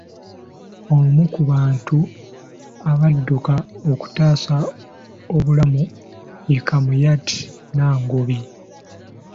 Omu ku bantu abadduka okutaasa obulamu ye Kamuyat Nangobi.